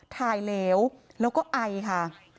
เหลวแล้วก็ไอค่ะ